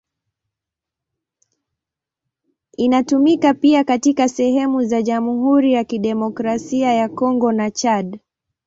Inatumika pia katika sehemu za Jamhuri ya Kidemokrasia ya Kongo na Chad.